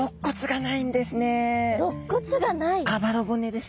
ろっ骨がない？